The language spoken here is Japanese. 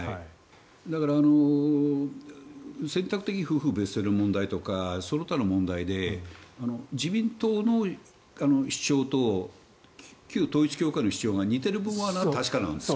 だから選択的夫婦別姓の問題とかその他の問題で自民党の主張と旧統一教会の主張が似ている部分は確かなんです。